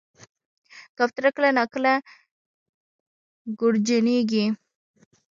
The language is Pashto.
کوتره کله ناکله ګورجنیږي.